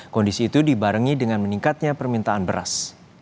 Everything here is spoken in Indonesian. kondisi itu dibarengi dengan meningkatnya permintaan beras